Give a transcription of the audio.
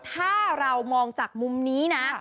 ถ้าเรามองจากมุมนี้นะ